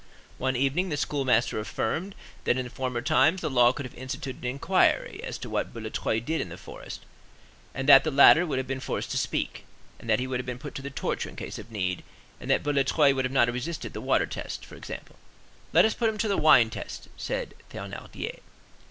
One evening the schoolmaster affirmed that in former times the law would have instituted an inquiry as to what Boulatruelle did in the forest, and that the latter would have been forced to speak, and that he would have been put to the torture in case of need, and that Boulatruelle would not have resisted the water test, for example. "Let us put him to the wine test," said Thénardier.